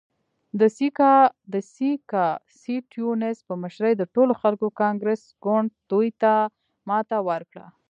د سیاکا سټیونز په مشرۍ د ټولو خلکو کانګرس ګوند دوی ته ماته ورکړه.